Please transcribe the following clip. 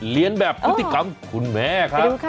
เรียนแบบพฤติกรรมคุณแม่ครับ